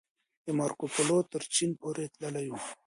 مارکوپولو تر چين پورې تللی و.